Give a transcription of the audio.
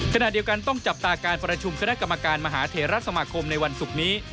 ขณะเดียวกันต้องจับตาการประชุมคณะกรรมการมหาเทราสมาคมในวันศุกร์นี้